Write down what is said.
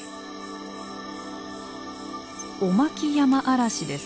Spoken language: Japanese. オマキヤマアラシです。